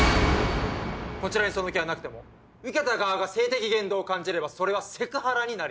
こちらにその気がなくても受けた側が性的言動と感じればそれはセクハラになります。